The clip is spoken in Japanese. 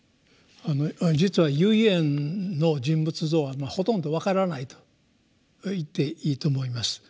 実は唯円の人物像はほとんど分からないと言っていいと思います。